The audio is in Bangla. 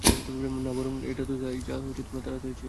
না, বরং এটা তো তাই যা তোমরা তাড়াতাড়ি চেয়েছিলে।